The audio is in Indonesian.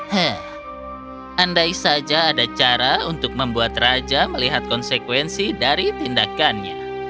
hendai saja ada cara untuk membuat raja melihat konsekuensi dari tindakannya